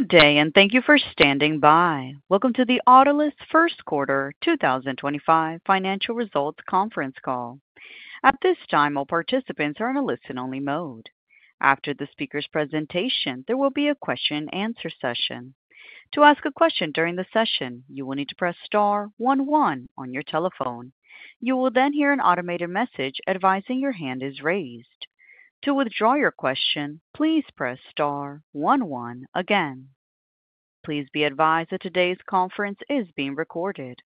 Good day, and thank you for standing by. Welcome to the Autolus First Quarter 2025 Financial Results Conference Call. At this time, all participants are in a listen-only mode. After the speaker's presentation, there will be a question-and-answer session. To ask a question during the session, you will need to press star one one on your telephone. You will then hear an automated message advising your hand is raised. To withdraw your question, please press star one one again. Please be advised that today's conference is being recorded.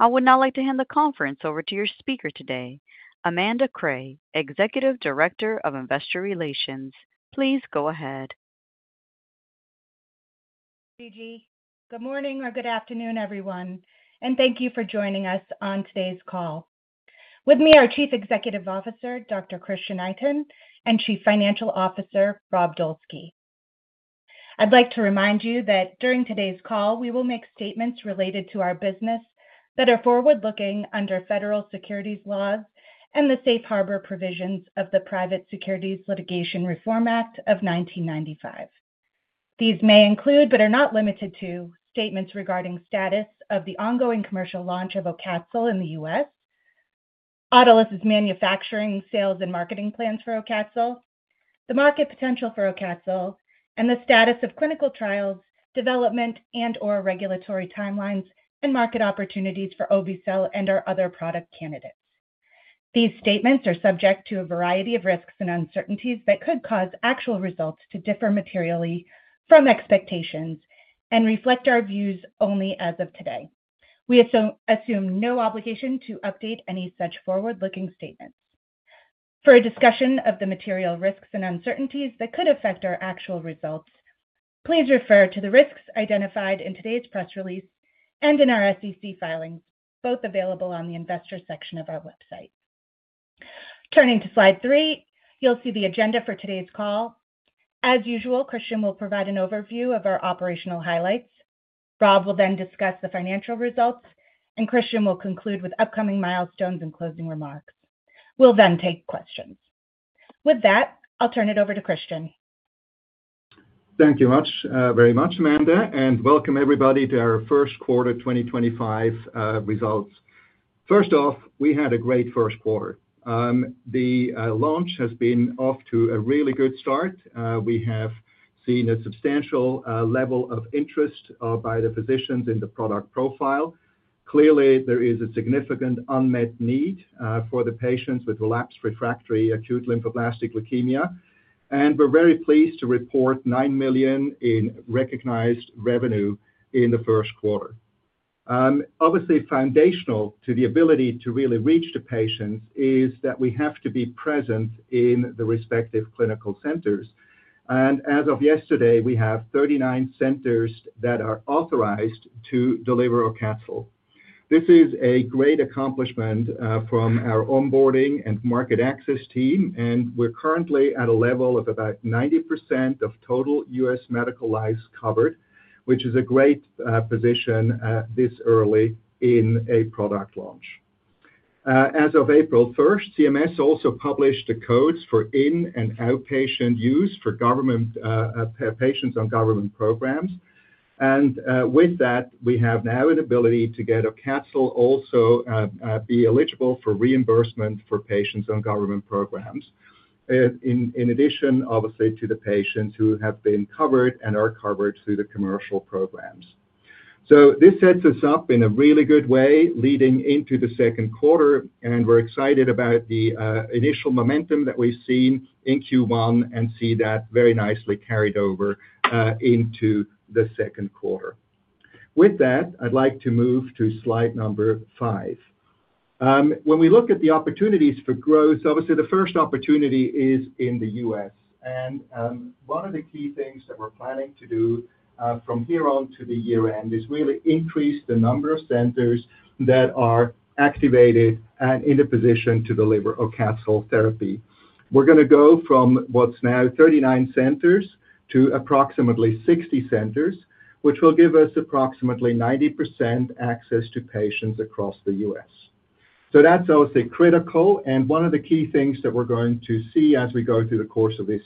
I would now like to hand the conference over to your speaker today, Amanda Cray, Executive Director of Investor Relations. Please go ahead. Good morning or good afternoon, everyone, and thank you for joining us on today's call. With me are Chief Executive Officer, Dr. Christian Itin, and Chief Financial Officer, Rob Dolski. I'd like to remind you that during today's call, we will make statements related to our business that are forward-looking under federal securities laws and the safe harbor provisions of the Private Securities Litigation Reform Act of 1995. These may include, but are not limited to, statements regarding the status of the ongoing commercial launch of AUCATZYL in the U.S., Autolus' manufacturing, sales, and marketing plans for AUCATZYL, the market potential for AUCATZYL, and the status of clinical trials, development, and/or regulatory timelines, and market opportunities for AUCATZYL and our other product candidates. These statements are subject to a variety of risks and uncertainties that could cause actual results to differ materially from expectations and reflect our views only as of today. We assume no obligation to update any such forward-looking statements. For a discussion of the material risks and uncertainties that could affect our actual results, please refer to the risks identified in today's press release and in our SEC filings, both available on the investor section of our website. Turning to slide three, you'll see the agenda for today's call. As usual, Christian will provide an overview of our operational highlights. Rob will then discuss the financial results, and Christian will conclude with upcoming milestones and closing remarks. We'll then take questions. With that, I'll turn it over to Christian. Thank you very much, Amanda, and welcome everybody to our First Quarter 2025 results. First off, we had a great first quarter. The launch has been off to a really good start. We have seen a substantial level of interest by the physicians in the product profile. Clearly, there is a significant unmet need for the patients with relapsed refractory acute lymphoblastic leukemia, and we're very pleased to report $9 million in recognized revenue in the first quarter. Obviously, foundational to the ability to really reach the patients is that we have to be present in the respective clinical centers. As of yesterday, we have 39 centers that are authorized to deliver AUCATZYL. This is a great accomplishment from our onboarding and market access team, and we're currently at a level of about 90% of total U.S. medical lives covered, which is a great position this early in a product launch. As of April 1, CMS also published the codes for in- and outpatient use for patients on government programs. With that, we have now an ability to get AUCATZYL also be eligible for reimbursement for patients on government programs, in addition, obviously, to the patients who have been covered and are covered through the commercial programs. This sets us up in a really good way leading into the second quarter, and we're excited about the initial momentum that we've seen in Q1 and see that very nicely carried over into the second quarter. With that, I'd like to move to slide number five. When we look at the opportunities for growth, obviously, the first opportunity is in the U.S. One of the key things that we're planning to do from here on to the year-end is really increase the number of centers that are activated and in a position to deliver AUCATZYL therapy. We're going to go from what's now 39 centers to approximately 60 centers, which will give us approximately 90% access to patients across the U.S. That is obviously critical, and one of the key things that we're going to see as we go through the course of this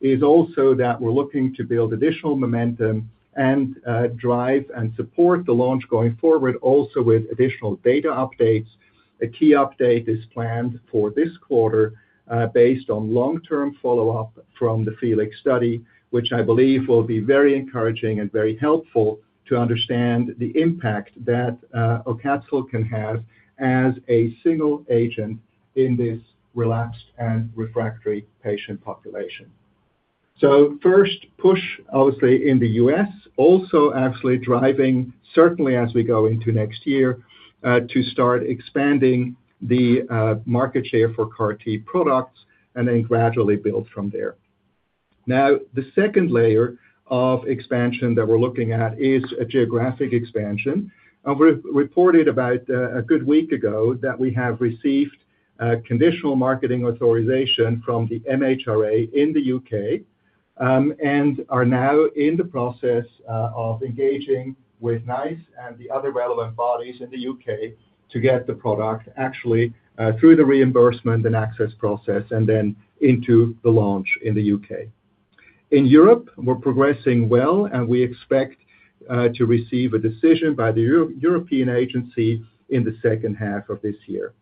year is also that we're looking to build additional momentum and drive and support the launch going forward, also with additional data updates. A key update is planned for this quarter based on long-term follow-up from the FELIX study, which I believe will be very encouraging and very helpful to understand the impact that AUCATZYL can have as a single agent in this relapsed and refractory patient population. First push, obviously, in the U.S., also actually driving, certainly as we go into next year, to start expanding the market share for CAR-T products and then gradually build from there. The second layer of expansion that we're looking at is a geographic expansion. We reported about a good week ago that we have received conditional marketing authorization from the MHRA in the U.K. and are now in the process of engaging with NICE and the other relevant bodies in the U.K. to get the product actually through the reimbursement and access process and then into the launch in the U.K. In Europe, we're progressing well, and we expect to receive a decision by the European agency in the second half of this year.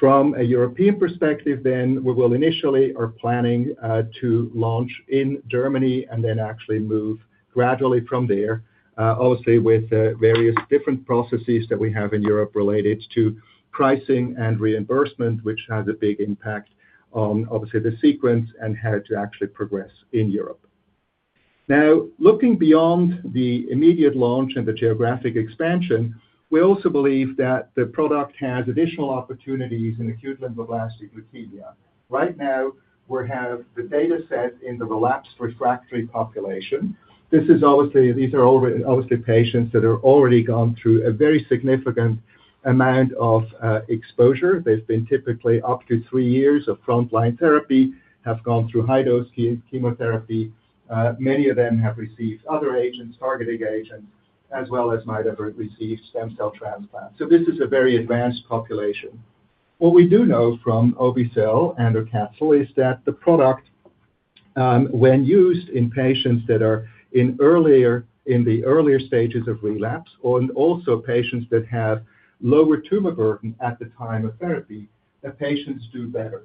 From a European perspective, then, we will initially are planning to launch in Germany and then actually move gradually from there, obviously with various different processes that we have in Europe related to pricing and reimbursement, which has a big impact on, obviously, the sequence and how to actually progress in Europe. Now, looking beyond the immediate launch and the geographic expansion, we also believe that the product has additional opportunities in acute lymphoblastic leukemia. Right now, we have the data set in the relapsed/refractory population. This is obviously, these are obviously patients that have already gone through a very significant amount of exposure. They've been typically up to three years of frontline therapy, have gone through high-dose chemotherapy. Many of them have received other agents, targeting agents, as well as might have received stem cell transplants. This is a very advanced population. What we do know from Obe-cel and AUCATZYL is that the product, when used in patients that are in the earlier stages of relapse or also patients that have lower tumor burden at the time of therapy, that patients do better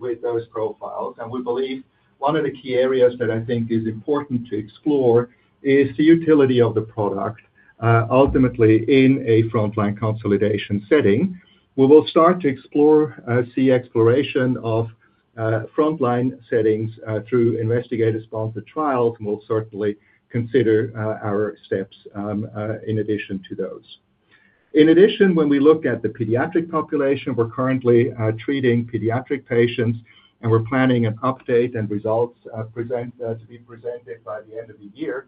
with those profiles. We believe one of the key areas that I think is important to explore is the utility of the product ultimately in a frontline consolidation setting. We will start to explore exploration of frontline settings through investigator-sponsored trials, and we will certainly consider our steps in addition to those. In addition, when we look at the pediatric population, we are currently treating pediatric patients, and we are planning an update and results to be presented by the end of the year.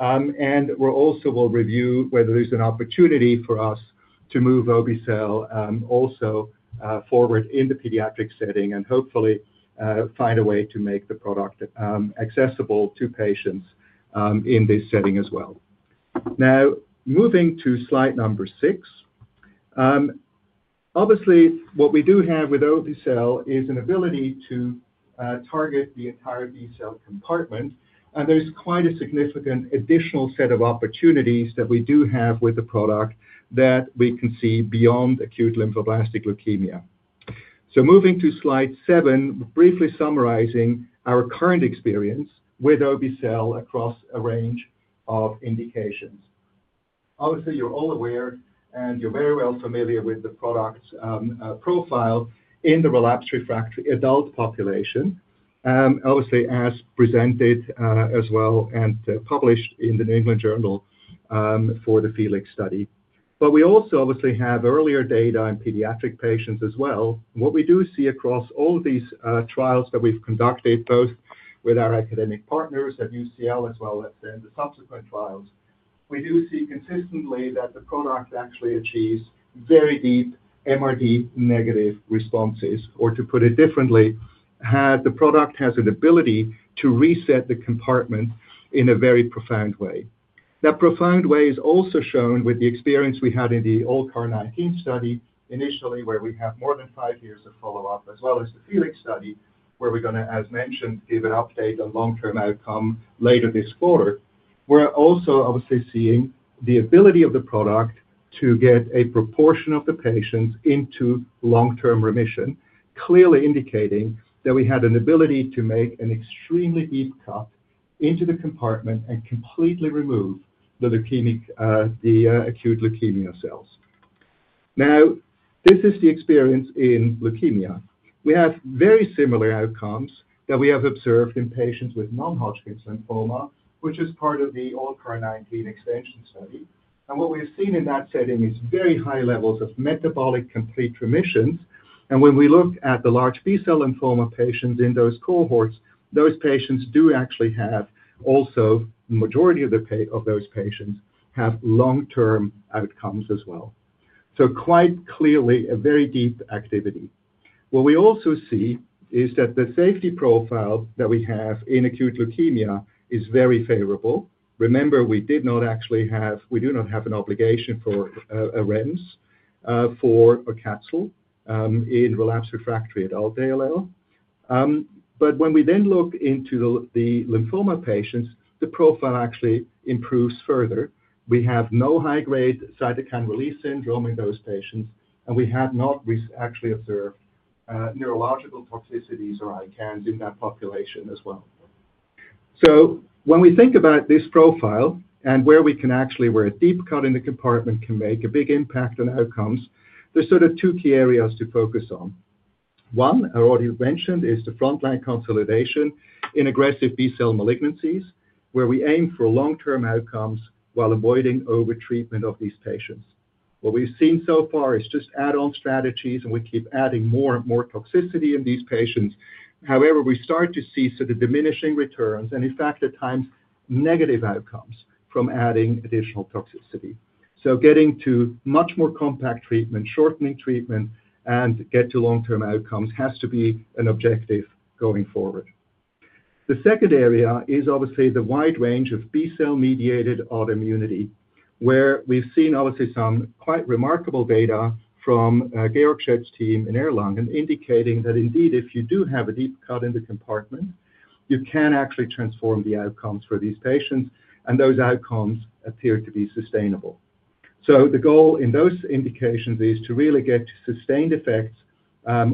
We will also review whether there is an opportunity for us to move Obe-cel forward in the pediatric setting and hopefully find a way to make the product accessible to patients in this setting as well. Now, moving to slide number six. Obviously, what we do have with Obe-cel is an ability to target the entire B-cell compartment, and there is quite a significant additional set of opportunities that we do have with the product that we can see beyond acute lymphoblastic leukemia. Moving to slide seven, briefly summarizing our current experience with Obe-cel across a range of indications. Obviously, you are all aware and you are very well familiar with the product profile in the relapsed/refractory adult population, as presented as well and published in the New England Journal for the FELIX study. We also have earlier data on pediatric patients as well. What we do see across all these trials that we've conducted, both with our academic partners at UCL as well as in the subsequent trials, we do see consistently that the product actually achieves very deep MRD negative responses, or to put it differently, the product has an ability to reset the compartment in a very profound way. That profound way is also shown with the experience we had in the old CAR-19 study initially, where we have more than five years of follow-up, as well as the FELIX study, where we're going to, as mentioned, give an update on long-term outcome later this quarter. We're also obviously seeing the ability of the product to get a proportion of the patients into long-term remission, clearly indicating that we had an ability to make an extremely deep cut into the compartment and completely remove the acute leukemia cells. Now, this is the experience in leukemia. We have very similar outcomes that we have observed in patients with non-Hodgkin's lymphoma, which is part of the old CAR-19 extension study. What we've seen in that setting is very high levels of metabolic complete remissions. When we look at the large B-cell lymphoma patients in those cohorts, those patients do actually have also the majority of those patients have long-term outcomes as well. Quite clearly, a very deep activity. What we also see is that the safety profile that we have in acute leukemia is very favorable. Remember, we did not actually have, we do not have an obligation for a REMS for AUCATZYL in relapsed/refractory adult ALL. When we then look into the lymphoma patients, the profile actually improves further. We have no high-grade cytokine release syndrome in those patients, and we have not actually observed neurological toxicities or ICANS in that population as well. When we think about this profile and where we can actually, where a deep cut in the compartment can make a big impact on outcomes, there are sort of two key areas to focus on. One, I already mentioned, is the frontline consolidation in aggressive B-cell malignancies, where we aim for long-term outcomes while avoiding over-treatment of these patients. What we've seen so far is just add-on strategies, and we keep adding more and more toxicity in these patients. However, we start to see sort of diminishing returns and, in fact, at times, negative outcomes from adding additional toxicity. Getting to much more compact treatment, shortening treatment, and getting to long-term outcomes has to be an objective going forward. The second area is obviously the wide range of B-cell mediated autoimmunity, where we've seen obviously some quite remarkable data from Georg Schep's team in Erlangen indicating that indeed, if you do have a deep cut in the compartment, you can actually transform the outcomes for these patients, and those outcomes appear to be sustainable. The goal in those indications is to really get sustained effects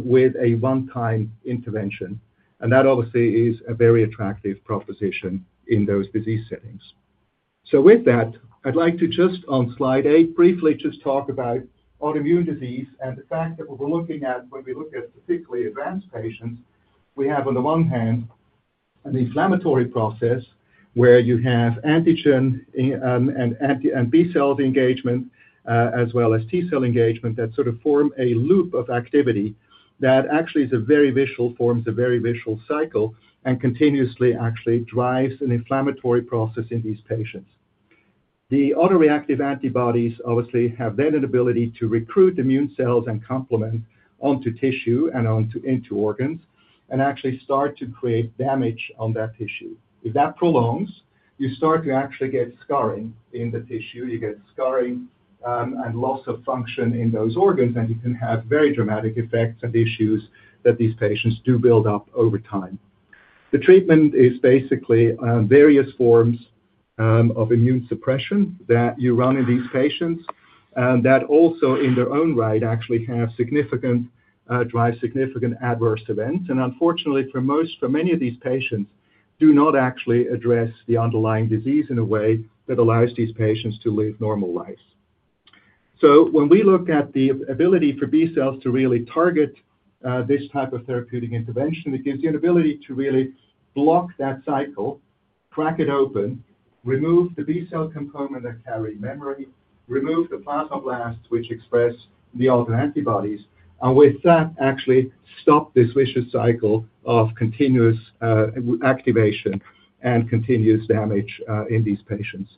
with a one-time intervention, and that obviously is a very attractive proposition in those disease settings. With that, I'd like to just on slide eight briefly just talk about autoimmune disease and the fact that we're looking at, when we look at particularly advanced patients, we have on the one hand an inflammatory process where you have antigen and B-cell engagement as well as T-cell engagement that sort of form a loop of activity that actually is a very visual, forms a very visual cycle and continuously actually drives an inflammatory process in these patients. The autoreactive antibodies obviously have then an ability to recruit immune cells and complement onto tissue and into organs and actually start to create damage on that tissue. If that prolongs, you start to actually get scarring in the tissue. You get scarring and loss of function in those organs, and you can have very dramatic effects and issues that these patients do build up over time. The treatment is basically various forms of immune suppression that you run in these patients that also in their own right actually have significant drive, significant adverse events. Unfortunately, for many of these patients, do not actually address the underlying disease in a way that allows these patients to live normal lives. When we look at the ability for B-cells to really target this type of therapeutic intervention, it gives you an ability to really block that cycle, crack it open, remove the B-cell component that carry memory, remove the plasma blasts which express the autoantibodies, and with that actually stop this vicious cycle of continuous activation and continuous damage in these patients.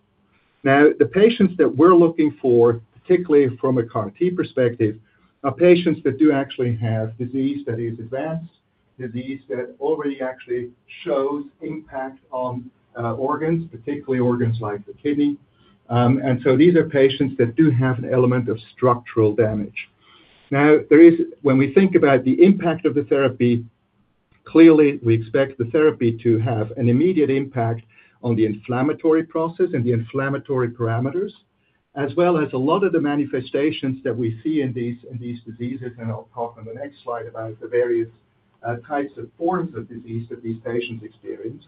Now, the patients that we're looking for, particularly from a CAR-T perspective, are patients that do actually have disease that is advanced, disease that already actually shows impact on organs, particularly organs like the kidney. These are patients that do have an element of structural damage. Now, when we think about the impact of the therapy, clearly we expect the therapy to have an immediate impact on the inflammatory process and the inflammatory parameters, as well as a lot of the manifestations that we see in these diseases. I'll talk on the next slide about the various types of forms of disease that these patients experience.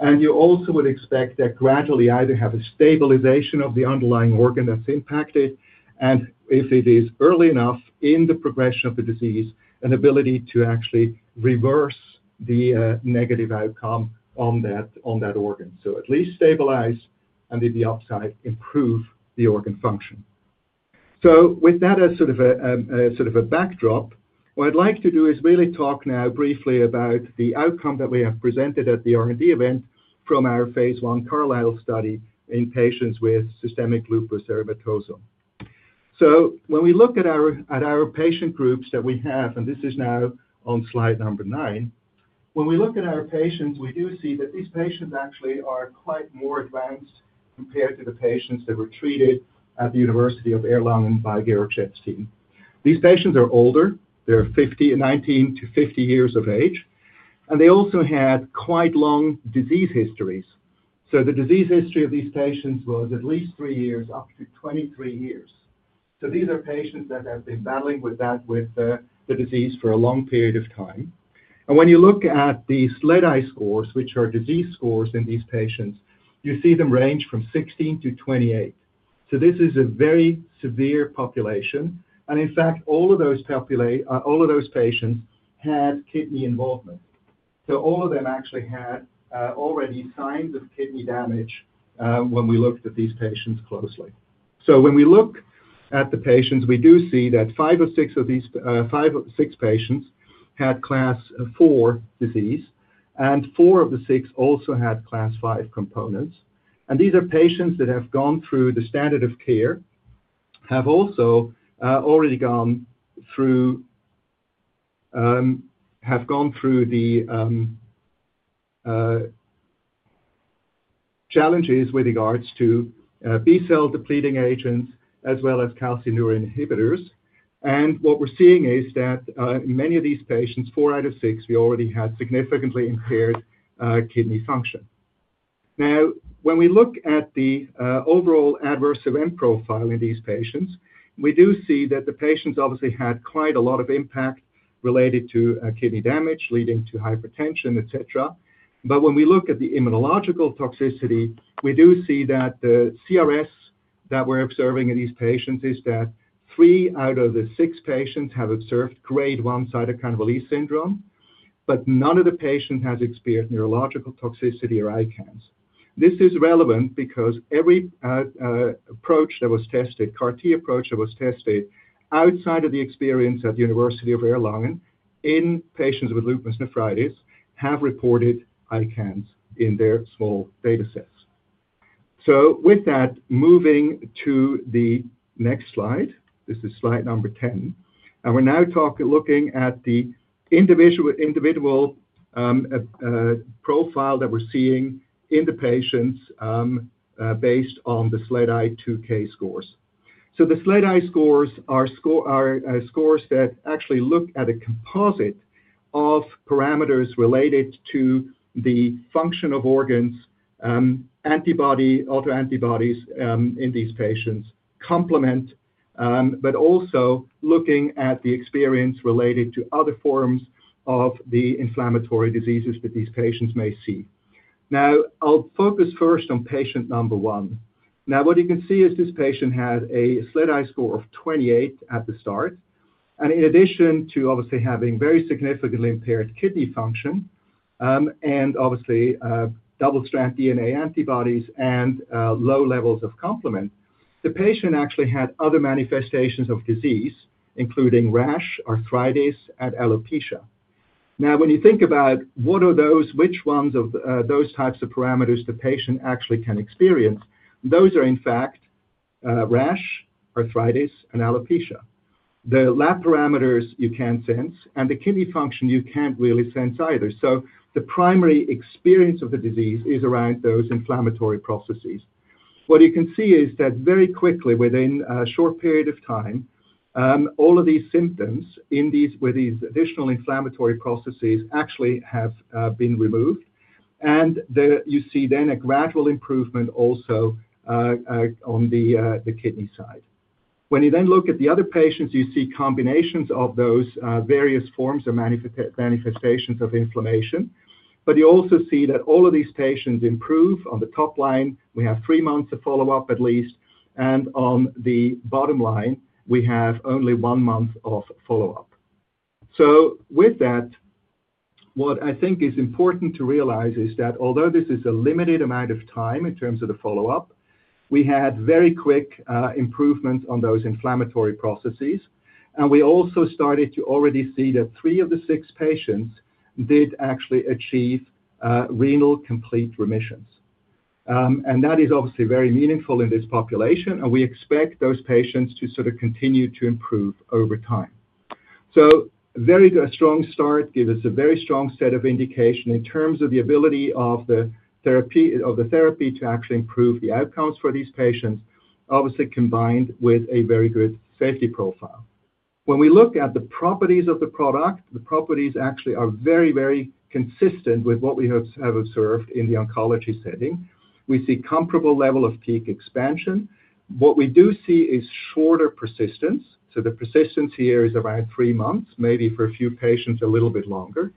You also would expect that gradually either have a stabilization of the underlying organ that's impacted, and if it is early enough in the progression of the disease, an ability to actually reverse the negative outcome on that organ. At least stabilize and in the upside improve the organ function. With that as sort of a backdrop, what I'd like to do is really talk now briefly about the outcome that we have presented at the R&D event from our phase I CARLYLE study in patients with systemic lupus erythematosus. When we look at our patient groups that we have, and this is now on slide number nine, when we look at our patients, we do see that these patients actually are quite more advanced compared to the patients that were treated at the University of Erlangen by Georg Schep's team. These patients are older. They're 19-50 years of age, and they also had quite long disease histories. The disease history of these patients was at least three years, up to 23 years. These are patients that have been battling with the disease for a long period of time. When you look at the SLEDAI scores, which are disease scores in these patients, you see them range from 16-28. This is a very severe population. In fact, all of those patients had kidney involvement. All of them actually had already signs of kidney damage when we looked at these patients closely. When we look at the patients, we do see that five or six of these five or six patients had class four disease, and four of the six also had class five components. These are patients that have gone through the standard of care, have also already gone through the challenges with regards to B-cell depleting agents as well as calcineurin inhibitors. What we're seeing is that in many of these patients, four out of six, we already had significantly impaired kidney function. Now, when we look at the overall adverse event profile in these patients, we do see that the patients obviously had quite a lot of impact related to kidney damage leading to hypertension, etc. When we look at the immunological toxicity, we do see that the CRS that we're observing in these patients is that three out of the six patients have observed grade one cytokine release syndrome, but none of the patients has experienced neurological toxicity or ICANS. This is relevant because every approach that was tested, CAR-T approach that was tested outside of the experience at the University of Erlangen in patients with lupus nephritis have reported ICANS in their small data sets. With that, moving to the next slide. This is slide number 10. We're now looking at the individual profile that we're seeing in the patients based on the SLEDAI 2K scores. The SLEDAI scores are scores that actually look at a composite of parameters related to the function of organs, antibody, autoantibodies in these patients, complement, but also looking at the experience related to other forms of the inflammatory diseases that these patients may see. Now, I'll focus first on patient number one. What you can see is this patient had a SLEDAI score of 28 at the start. In addition to obviously having very significantly impaired kidney function and obviously double-stranded DNA antibodies and low levels of complement, the patient actually had other manifestations of disease, including rash, arthritis, and alopecia. When you think about what are those, which ones of those types of parameters the patient actually can experience, those are in fact rash, arthritis, and alopecia. The lab parameters you can't sense, and the kidney function you can't really sense either. The primary experience of the disease is around those inflammatory processes. What you can see is that very quickly, within a short period of time, all of these symptoms with these additional inflammatory processes actually have been removed. You see then a gradual improvement also on the kidney side. When you then look at the other patients, you see combinations of those various forms of manifestations of inflammation. You also see that all of these patients improve on the top line. We have three months of follow-up at least. On the bottom line, we have only one month of follow-up. With that, what I think is important to realize is that although this is a limited amount of time in terms of the follow-up, we had very quick improvements on those inflammatory processes. We also started to already see that three of the six patients did actually achieve renal complete remissions. That is obviously very meaningful in this population. We expect those patients to sort of continue to improve over time. A very strong start gives us a very strong set of indication in terms of the ability of the therapy to actually improve the outcomes for these patients, obviously combined with a very good safety profile. When we look at the properties of the product, the properties actually are very, very consistent with what we have observed in the oncology setting. We see a comparable level of peak expansion. What we do see is shorter persistence. The persistency here is around three months, maybe for a few patients a little bit longer.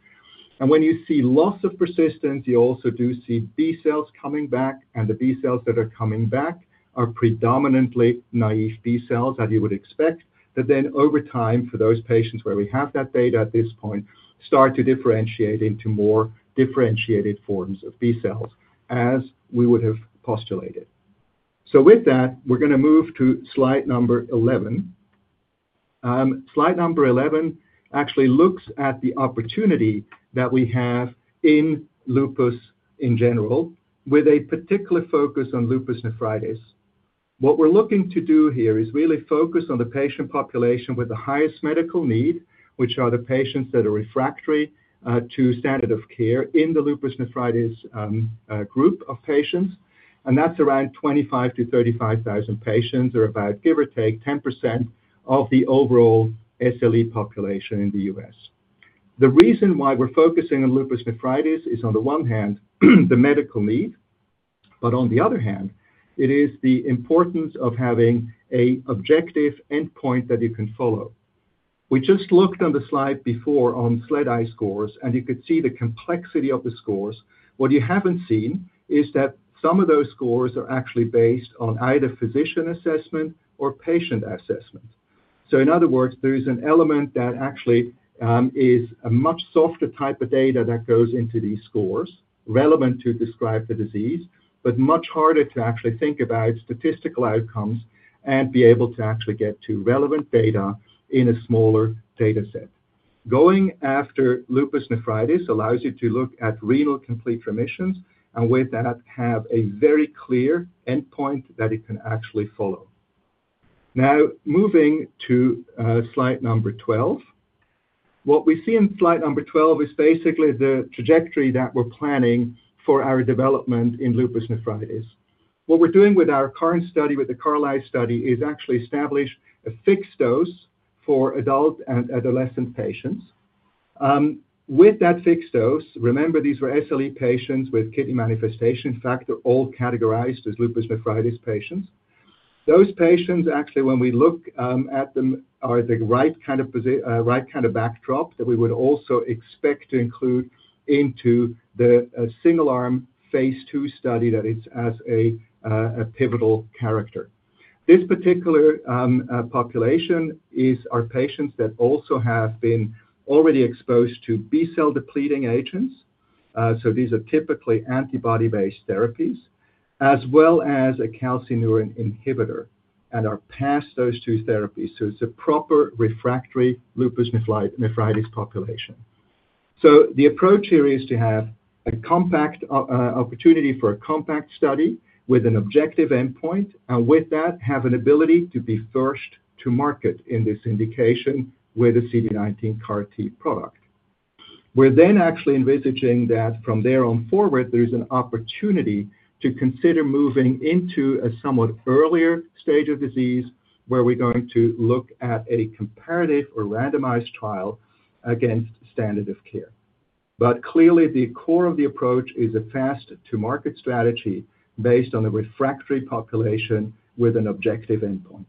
When you see loss of persistence, you also do see B-cells coming back. The B-cells that are coming back are predominantly naive B-cells, as you would expect, that then over time for those patients where we have that data at this point, start to differentiate into more differentiated forms of B-cells as we would have postulated. With that, we're going to move to slide number 11. Slide number 11 actually looks at the opportunity that we have in lupus in general with a particular focus on lupus nephritis. What we're looking to do here is really focus on the patient population with the highest medical need, which are the patients that are refractory to standard of care in the lupus nephritis group of patients. That's around 25,000-35,000 patients or about, give or take, 10% of the overall SLE population in the U.S. The reason why we're focusing on lupus nephritis is, on the one hand, the medical need, but on the other hand, it is the importance of having an objective endpoint that you can follow. We just looked on the slide before on SLEDAI scores, and you could see the complexity of the scores. What you haven't seen is that some of those scores are actually based on either physician assessment or patient assessment. In other words, there is an element that actually is a much softer type of data that goes into these scores relevant to describe the disease, but much harder to actually think about statistical outcomes and be able to actually get to relevant data in a smaller data set. Going after lupus nephritis allows you to look at renal complete remissions and with that have a very clear endpoint that it can actually follow. Now, moving to slide number 12. What we see in slide number 12 is basically the trajectory that we're planning for our development in lupus nephritis. What we're doing with our current study with the CARLYSLE study is actually establish a fixed dose for adult and adolescent patients. With that fixed dose, remember these were SLE patients with kidney manifestation factor, all categorized as lupus nephritis patients. Those patients actually, when we look at them, are the right kind of backdrop that we would also expect to include into the single-arm phase II study that it's as a pivotal character. This particular population is our patients that also have been already exposed to B-cell depleting agents. So these are typically antibody-based therapies, as well as a calcineurin inhibitor, and are past those two therapies. So it's a proper refractory lupus nephritis population. The approach here is to have a compact opportunity for a compact study with an objective endpoint, and with that, have an ability to be first to market in this indication with a CD19 CAR-T product. We're then actually envisaging that from there on forward, there is an opportunity to consider moving into a somewhat earlier stage of disease where we're going to look at a comparative or randomized trial against standard of care. Clearly, the core of the approach is a fast-to-market strategy based on a refractory population with an objective endpoint.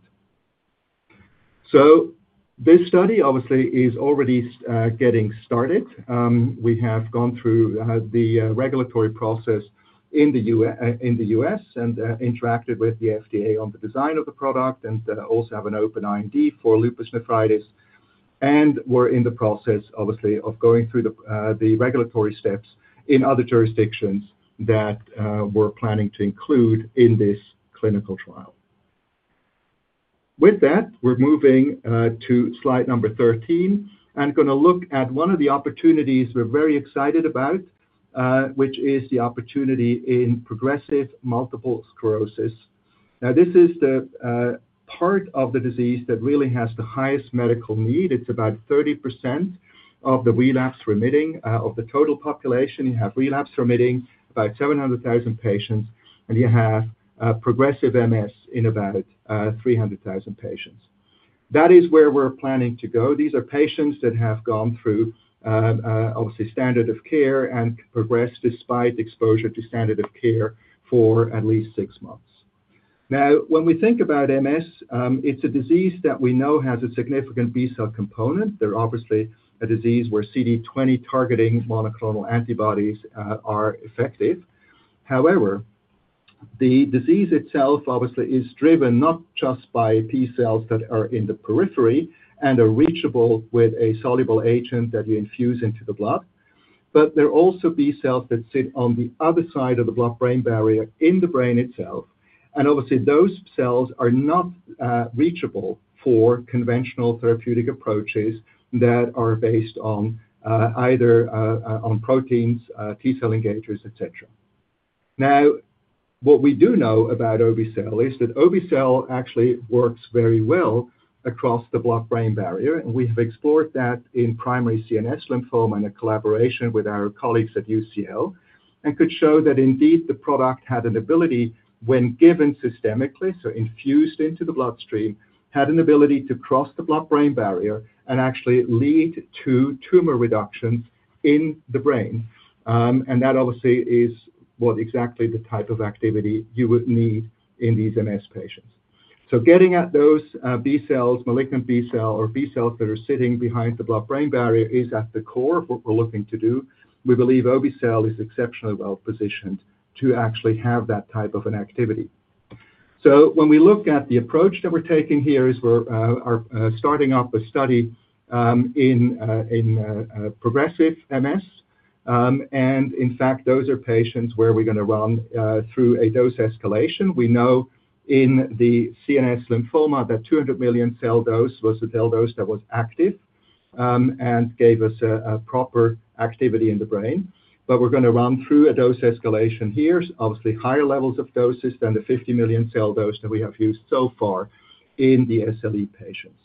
This study obviously is already getting started. We have gone through the regulatory process in the U.S. and interacted with the FDA on the design of the product and also have an open IND for lupus nephritis. We're in the process, obviously, of going through the regulatory steps in other jurisdictions that we're planning to include in this clinical trial. With that, we're moving to slide number 13 and going to look at one of the opportunities we're very excited about, which is the opportunity in progressive multiple sclerosis. This is the part of the disease that really has the highest medical need. It's about 30% of the relapse-remitting of the total population. You have relapse-remitting about 700,000 patients, and you have progressive MS in about 300,000 patients. That is where we're planning to go. These are patients that have gone through, obviously, standard of care and progressed despite exposure to standard of care for at least six months. Now, when we think about MS, it's a disease that we know has a significant B-cell component. They're obviously a disease where CD20 targeting monoclonal antibodies are effective. However, the disease itself obviously is driven not just by T-cells that are in the periphery and are reachable with a soluble agent that you infuse into the blood, but there are also B-cells that sit on the other side of the blood-brain barrier in the brain itself. Obviously, those cells are not reachable for conventional therapeutic approaches that are based on either proteins, T-cell engagers, etc. Now, what we do know about Obe-cel is that Obe-cel actually works very well across the blood-brain barrier. We have explored that in primary CNS lymphoma in a collaboration with our colleagues at UCL and could show that indeed the product had an ability when given systemically, so infused into the bloodstream, had an ability to cross the blood-brain barrier and actually lead to tumor reductions in the brain. That obviously is what exactly the type of activity you would need in these MS patients. Getting at those B-cells, malignant B-cell, or B-cells that are sitting behind the blood-brain barrier is at the core of what we're looking to do. We believe Obe-cel is exceptionally well positioned to actually have that type of an activity. When we look at the approach that we're taking here, we're starting up a study in progressive MS. In fact, those are patients where we're going to run through a dose escalation. We know in the CNS lymphoma that 200 million cell dose was the cell dose that was active and gave us a proper activity in the brain. We're going to run through a dose escalation here, obviously higher levels of doses than the 50 million cell dose that we have used so far in the SLE patients.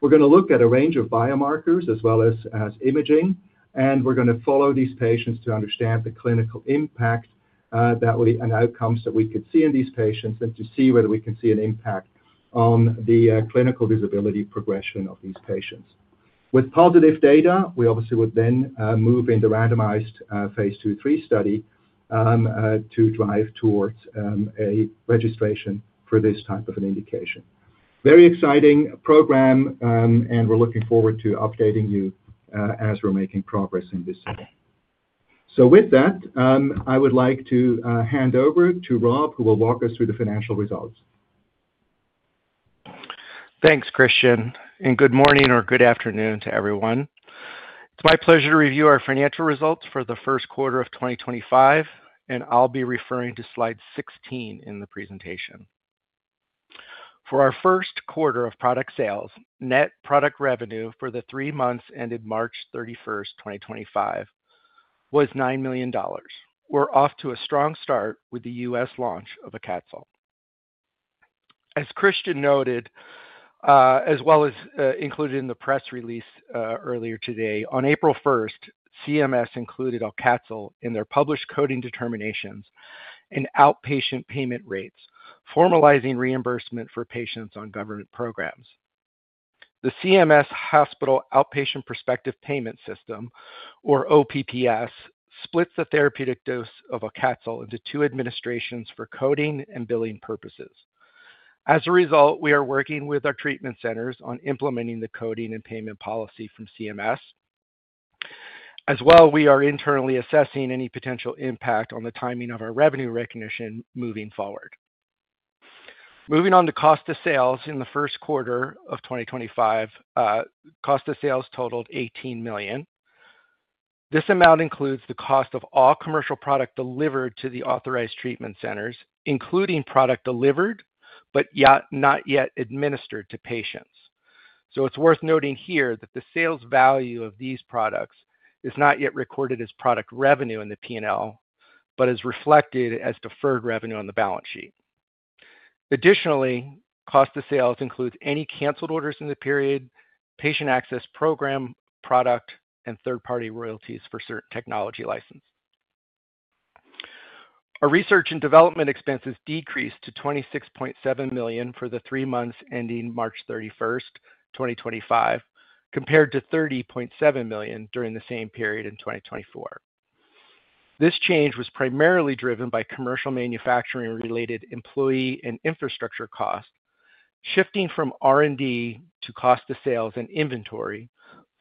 We're going to look at a range of biomarkers as well as imaging. We're going to follow these patients to understand the clinical impact and outcomes that we could see in these patients and to see whether we can see an impact on the clinical disability progression of these patients. With positive data, we obviously would then move into randomized phase II and III study to drive towards a registration for this type of an indication. Very exciting program, and we're looking forward to updating you as we're making progress in this study. With that, I would like to hand over to Rob, who will walk us through the financial results. Thanks, Christian. Good morning or good afternoon to everyone. It's my pleasure to review our financial results for the first quarter of 2025, and I'll be referring to slide 16 in the presentation. For our first quarter of product sales, net product revenue for the three months ended March 31, 2025, was $9 million. We're off to a strong start with the U.S. launch of AUCATZYL. As Christian noted, as well as included in the press release earlier today, on April 1, CMS included AUCATZYL in their published coding determinations and outpatient payment rates, formalizing reimbursement for patients on government programs. The CMS Hospital Outpatient Prospective Payment System, or OPPS, splits the therapeutic dose of AUCATZYL into two administrations for coding and billing purposes. As a result, we are working with our treatment centers on implementing the coding and payment policy from CMS. As well, we are internally assessing any potential impact on the timing of our revenue recognition moving forward. Moving on to cost of sales in the first quarter of 2025, cost of sales totaled $18 million. This amount includes the cost of all commercial product delivered to the authorized treatment centers, including product delivered but not yet administered to patients. It's worth noting here that the sales value of these products is not yet recorded as product revenue in the P&L, but is reflected as deferred revenue on the balance sheet. Additionally, cost of sales includes any canceled orders in the period, patient access program product, and third-party royalties for certain technology licenses. Our research and development expenses decreased to $26.7 million for the three months ending March 31, 2025, compared to $30.7 million during the same period in 2024. This change was primarily driven by commercial manufacturing-related employee and infrastructure costs, shifting from R&D to cost of sales and inventory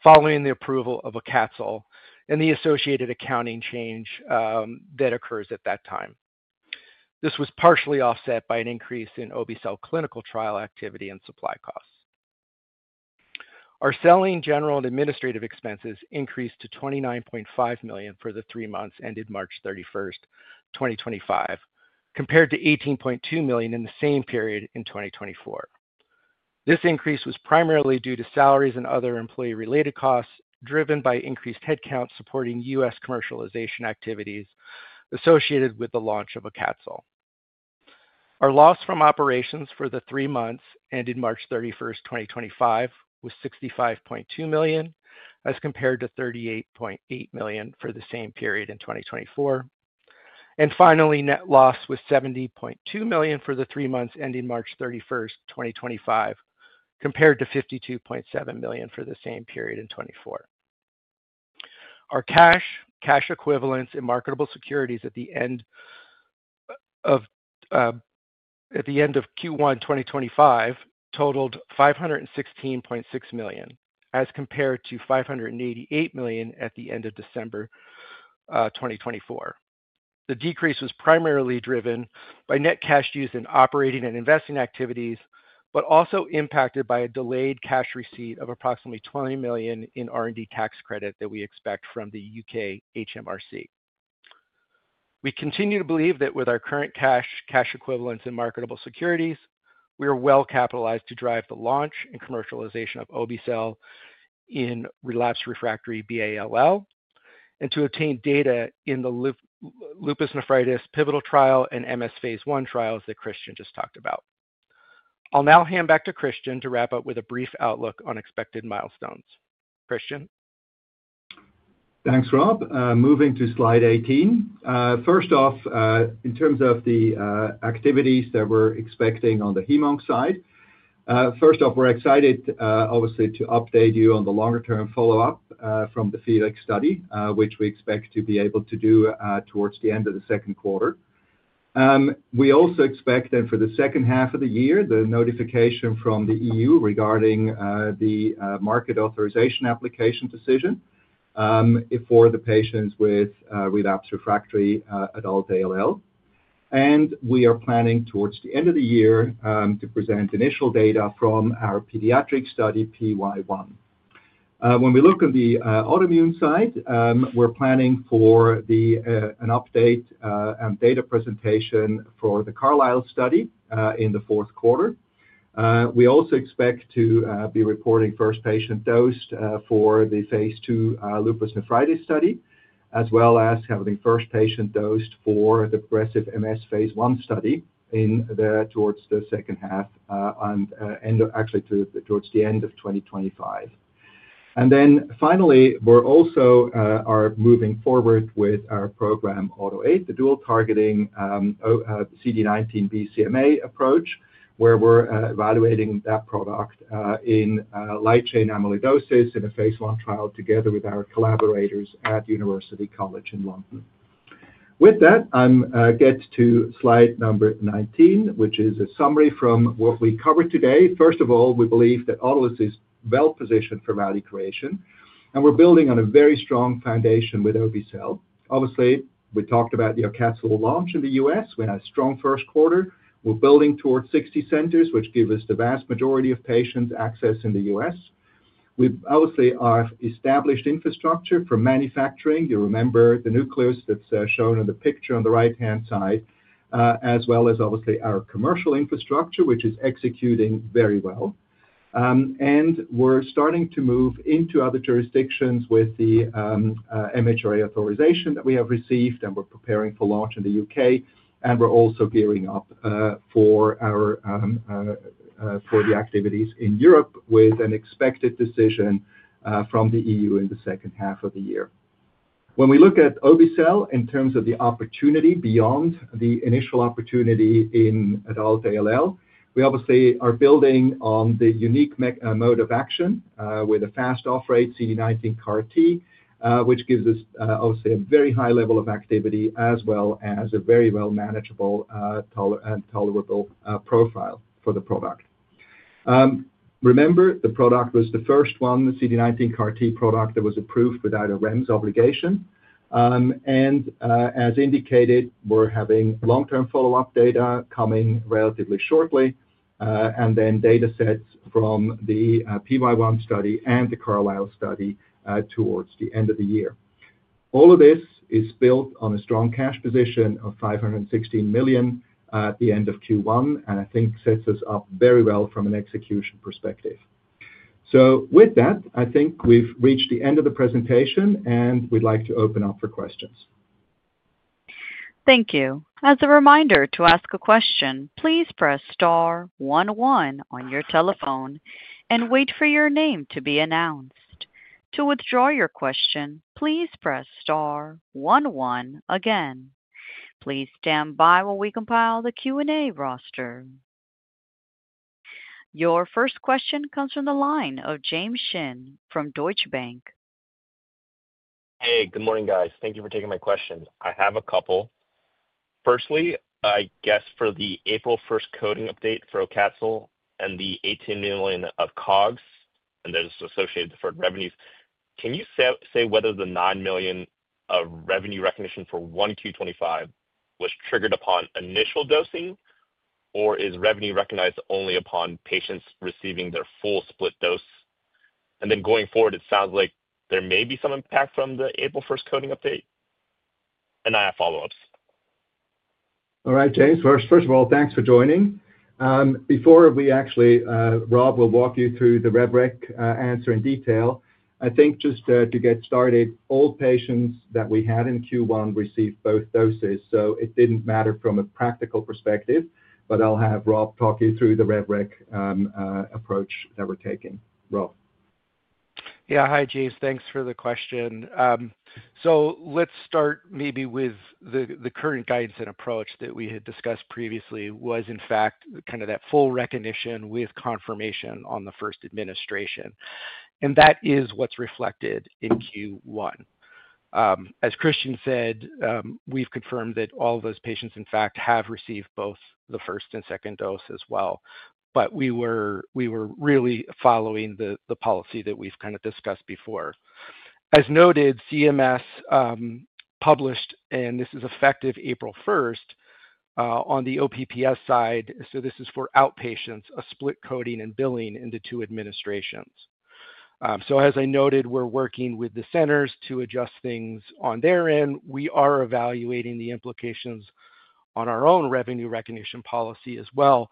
following the approval of AUCATZYL and the associated accounting change that occurs at that time. This was partially offset by an increase in Obe-cel clinical trial activity and supply costs. Our selling, general, and administrative expenses increased to $29.5 million for the three months ended March 31, 2025, compared to $18.2 million in the same period in 2024. This increase was primarily due to salaries and other employee-related costs driven by increased headcount supporting U.S. commercialization activities associated with the launch of AUCATZYL. Our loss from operations for the three months ended March 31, 2025, was $65.2 million as compared to $38.8 million for the same period in 2024. Net loss was $70.2 million for the three months ending March 31, 2025, compared to $52.7 million for the same period in 2024. Our cash, cash equivalents, and marketable securities at the end of Q1 2025 totaled $516.6 million as compared to $588 million at the end of December 2024. The decrease was primarily driven by net cash used in operating and investing activities, but also impacted by a delayed cash receipt of approximately $20 million in R&D tax credit that we expect from the U.K. HMRC. We continue to believe that with our current cash, cash equivalents, and marketable securities, we are well capitalized to drive the launch and commercialization of AUCATZYL in relapsed/refractory B-cell ALL and to obtain data in the lupus nephritis pivotal trial and MS phase I trials that Christian just talked about. I'll now hand back to Christian to wrap up with a brief outlook on expected milestones. Christian. Thanks, Rob. Moving to slide 18. First off, in terms of the activities that we're expecting on the HMONC side, first off, we're excited, obviously, to update you on the longer-term follow-up from the FELIX study, which we expect to be able to do towards the end of the second quarter. We also expect that for the second half of the year, the notification from the EU regarding the market authorization application decision for the patients with relapsed/refractory adult ALL. We are planning towards the end of the year to present initial data from our pediatric study, PY1. When we look on the autoimmune side, we're planning for an update and data presentation for the CARLYSLE study in the fourth quarter. We also expect to be reporting first patient dosed for the phase II lupus nephritis study, as well as having first patient dosed for the progressive MS phase I study towards the second half, actually towards the end of 2025. Finally, we're also moving forward with our program AutoAid, the dual-targeting CD19 BCMA approach, where we're evaluating that product in light chain amyloidosis in a phase I trial together with our collaborators at University College London. With that, I get to slide number 19, which is a summary from what we covered today. First of all, we believe that Autolus is well positioned for value creation, and we're building on a very strong foundation with Obe-cel. Obviously, we talked about the AUCATZYL launch in the United States. We had a strong first quarter. We're building towards 60 centers, which give us the vast majority of patients access in the U.S. We obviously have established infrastructure for manufacturing. You remember the nucleus that's shown on the picture on the right-hand side, as well as obviously our commercial infrastructure, which is executing very well. We're starting to move into other jurisdictions with the MHRA authorization that we have received, and we're preparing for launch in the U.K. We're also gearing up for the activities in Europe with an expected decision from the EU in the second half of the year. When we look at Obe-cel in terms of the opportunity beyond the initial opportunity in adult ALL, we obviously are building on the unique mode of action with a fast off-rate CD19 CAR-T, which gives us obviously a very high level of activity as well as a very well-manageable and tolerable profile for the product. Remember, the product was the first one, the CD19 CAR-T product that was approved without a REMS obligation. As indicated, we're having long-term follow-up data coming relatively shortly, and then data sets from the PY1 study and the CARLYSLE study towards the end of the year. All of this is built on a strong cash position of $516 million at the end of Q1, and I think sets us up very well from an execution perspective. I think we've reached the end of the presentation, and we'd like to open up for questions. Thank you. As a reminder to ask a question, please press star one-one on your telephone and wait for your name to be announced. To withdraw your question, please press star one-one again. Please stand by while we compile the Q&A roster. Your first question comes from the line of James Shin from Deutsche Bank. Hey, good morning, guys. Thank you for taking my question. I have a couple. Firstly, I guess for the April 1 coding update for AUCATZYL and the $18 million of COGS, and there's associated deferred revenues. Can you say whether the $9 million of revenue recognition for 1Q25 was triggered upon initial dosing, or is revenue recognized only upon patients receiving their full split dose? Going forward, it sounds like there may be some impact from the April 1 coding update. I have follow-ups. All right, James. First of all, thanks for joining. Before we actually, Rob will walk you through the red rick answer in detail, I think just to get started, all patients that we had in Q1 received both doses, so it did not matter from a practical perspective, but I'll have Rob talk you through the red rick approach that we're taking. Rob. Yeah, hi, James. Thanks for the question. Let's start maybe with the current guidance and approach that we had discussed previously was, in fact, kind of that full recognition with confirmation on the first administration. That is what's reflected in Q1. As Christian said, we've confirmed that all of those patients, in fact, have received both the first and second dose as well. We were really following the policy that we've kind of discussed before. As noted, CMS published, and this is effective April 1 on the OPPS side, so this is for outpatients, a split coding and billing into two administrations. As I noted, we're working with the centers to adjust things on their end. We are evaluating the implications on our own revenue recognition policy as well.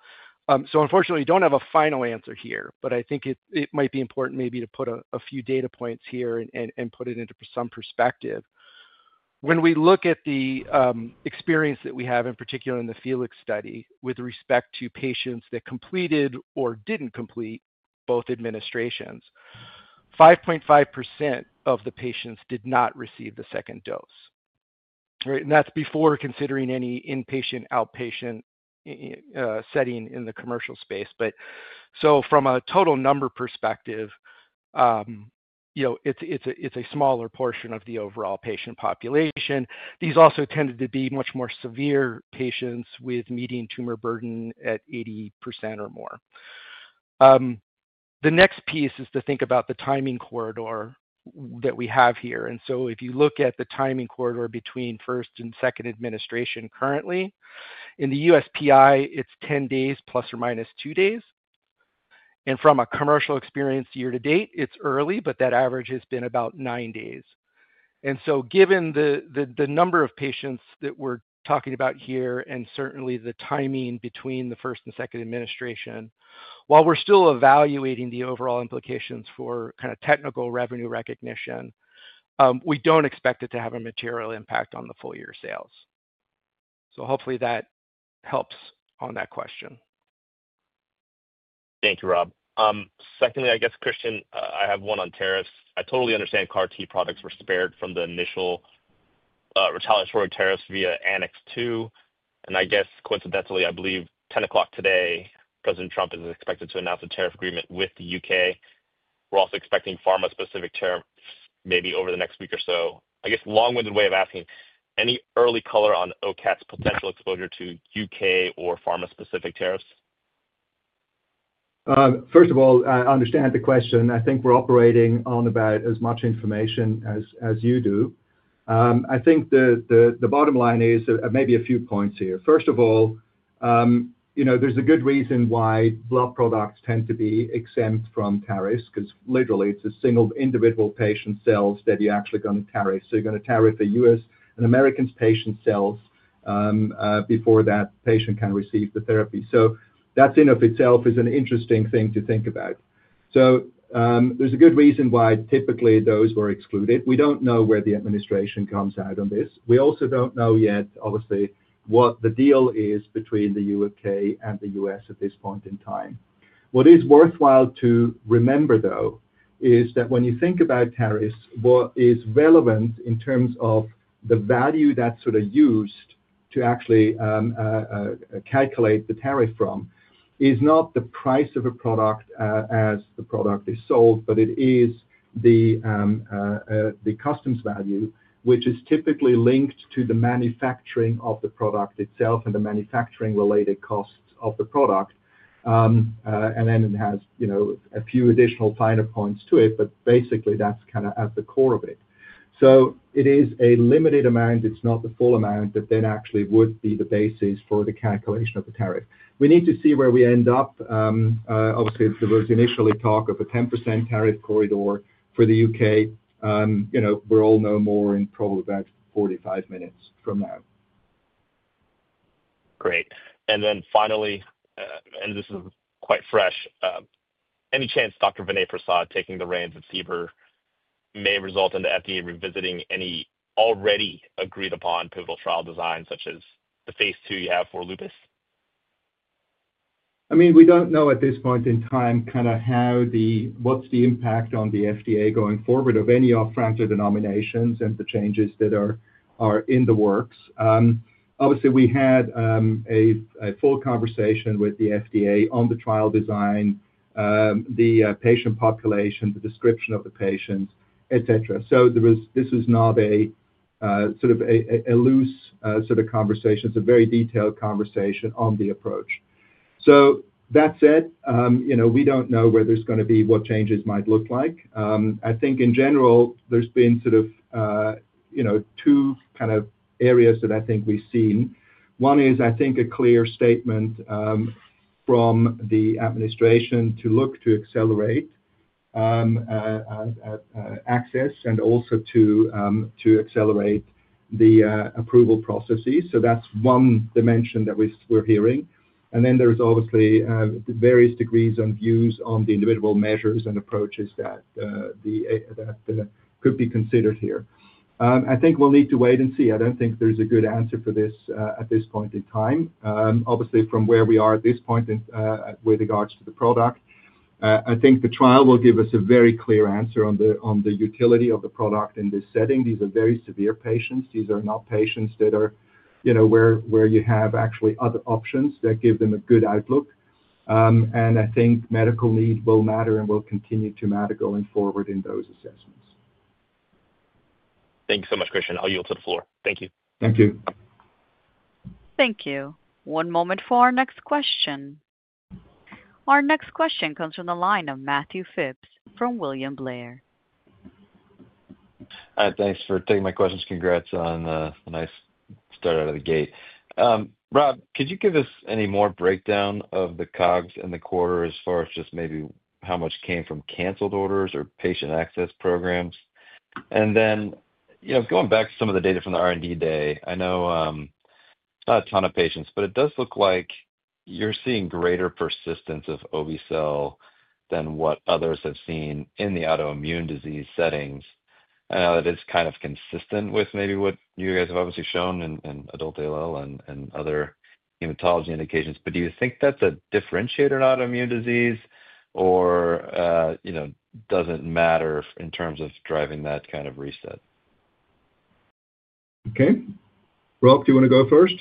Unfortunately, we don't have a final answer here, but I think it might be important maybe to put a few data points here and put it into some perspective. When we look at the experience that we have, in particular in the FELIX study, with respect to patients that completed or didn't complete both administrations, 5.5% of the patients did not receive the second dose. That's before considering any inpatient outpatient setting in the commercial space. From a total number perspective, it's a smaller portion of the overall patient population. These also tended to be much more severe patients with median tumor burden at 80% or more. The next piece is to think about the timing corridor that we have here. If you look at the timing corridor between first and second administration currently, in the U.S.PI, it is 10 days ±2 days. From a commercial experience year to date, it is early, but that average has been about 9 days. Given the number of patients that we are talking about here and certainly the timing between the first and second administration, while we are still evaluating the overall implications for kind of technical revenue recognition, we do not expect it to have a material impact on the full year sales. Hopefully that helps on that question. Thank you, Rob. Secondly, I guess, Christian, I have one on tariffs. I totally understand CAR-T products were spared from the initial retaliatory tariffs via Annex II. I guess coincidentally, I believe 10:00 A.M. today, President Trump is expected to announce a tariff agreement with the U.K. We're also expecting pharma-specific tariffs maybe over the next week or so. I guess long-winded way of asking, any early color on Autolus' potential exposure to U.K. or pharma-specific tariffs? First of all, I understand the question. I think we're operating on about as much information as you do. I think the bottom line is maybe a few points here. First of all, there's a good reason why blood products tend to be exempt from tariffs because literally it's a single individual patient's cells that you're actually going to tariff. So you're going to tariff a U.S. and American's patient's cells before that patient can receive the therapy. That in of itself is an interesting thing to think about. There's a good reason why typically those were excluded. We don't know where the administration comes out on this. We also don't know yet, obviously, what the deal is between the U.K. and the U.S. at this point in time. What is worthwhile to remember, though, is that when you think about tariffs, what is relevant in terms of the value that's sort of used to actually calculate the tariff from is not the price of a product as the product is sold, but it is the customs value, which is typically linked to the manufacturing of the product itself and the manufacturing-related costs of the product. It has a few additional finer points to it, but basically that's kind of at the core of it. It is a limited amount. It's not the full amount that then actually would be the basis for the calculation of the tariff. We need to see where we end up. Obviously, there was initially talk of a 10% tariff corridor for the U.K. We're all no more in probably about 45 minutes from now. Great. Finally, and this is quite fresh, any chance Dr. Vinay Prasad taking the reins at CBER may result in the FDA revisiting any already agreed-upon pivotal trial design, such as the phase II you have for lupus? I mean, we don't know at this point in time kind of what's the impact on the FDA going forward of any of the fragile denominations and the changes that are in the works. Obviously, we had a full conversation with the FDA on the trial design, the patient population, the description of the patients, etc. This was not a sort of a loose sort of conversation. It's a very detailed conversation on the approach. That said, we don't know where there's going to be what changes might look like. I think in general, there's been sort of two kind of areas that I think we've seen. One is, I think, a clear statement from the administration to look to accelerate access and also to accelerate the approval processes. That's one dimension that we're hearing. There are obviously various degrees and views on the individual measures and approaches that could be considered here. I think we'll need to wait and see. I don't think there's a good answer for this at this point in time. Obviously, from where we are at this point with regards to the product, I think the trial will give us a very clear answer on the utility of the product in this setting. These are very severe patients. These are not patients where you have actually other options that give them a good outlook. I think medical need will matter and will continue to matter going forward in those assessments. Thank you so much, Christian. I'll yield to the floor. Thank you. Thank you. Thank you. One moment for our next question. Our next question comes from the line of Matthew Phipps from William Blair. Thanks for taking my questions. Congrats on a nice start out of the gate. Rob, could you give us any more breakdown of the COGS in the quarter as far as just maybe how much came from canceled orders or patient access programs? Going back to some of the data from the R&D day, I know not a ton of patients, but it does look like you're seeing greater persistence of Obe-cel than what others have seen in the autoimmune disease settings. I know that it's kind of consistent with maybe what you guys have obviously shown in adult ALL and other hematology indications. Do you think that's a differentiator in autoimmune disease or does it not matter in terms of driving that kind of reset? Okay. Rob, do you want to go first?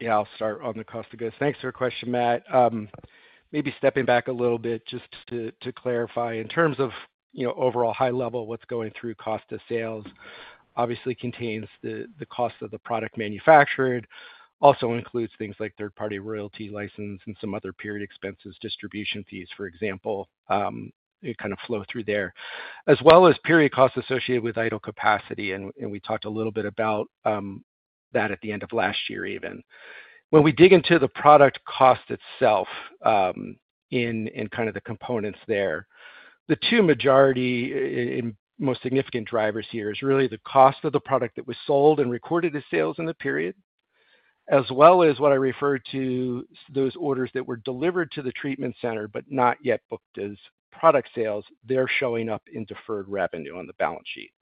Yeah, I'll start on the cost of goods. Thanks for your question, Matt. Maybe stepping back a little bit just to clarify, in terms of overall high level, what's going through cost of sales obviously contains the cost of the product manufactured, also includes things like third-party royalty license and some other period expenses, distribution fees, for example, kind of flow through there, as well as period costs associated with idle capacity. We talked a little bit about that at the end of last year even. When we dig into the product cost itself in kind of the components there, the two majority and most significant drivers here is really the cost of the product that was sold and recorded as sales in the period, as well as what I refer to those orders that were delivered to the treatment center, but not yet booked as product sales. They're showing up in deferred revenue on the balance sheet.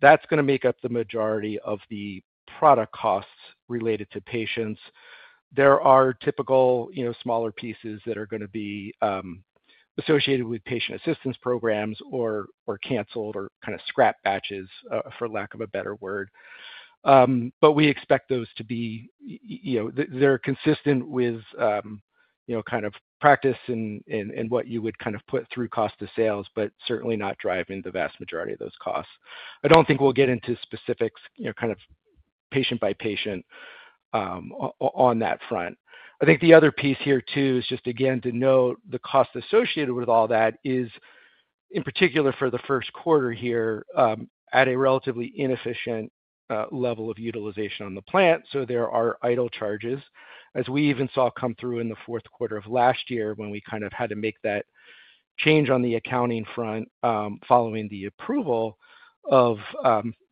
That's going to make up the majority of the product costs related to patients. There are typical smaller pieces that are going to be associated with patient assistance programs or canceled or kind of scrap batches, for lack of a better word. We expect those to be there, consistent with kind of practice and what you would kind of put through cost of sales, but certainly not driving the vast majority of those costs. I don't think we'll get into specifics kind of patient by patient on that front. I think the other piece here too is just, again, to note the cost associated with all that is, in particular for the first quarter here, at a relatively inefficient level of utilization on the plant. There are idle charges, as we even saw come through in the fourth quarter of last year when we kind of had to make that change on the accounting front following the approval of